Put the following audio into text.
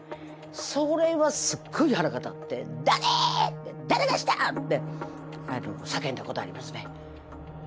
それはすっごい腹が立って「誰！誰がしたん！」って叫んだことありますね。